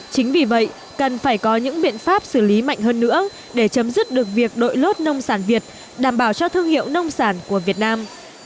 chính vì vậy cần phải có những biện pháp xử lý mạnh hơn nữa để chấm dứt được việc đội lốt nông sản việt đảm bảo cho thương hiệu nông sản của việt nam